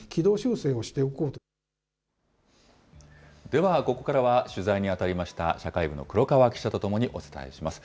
では、ここからは取材に当たりました社会部の黒川記者と共にお伝えします。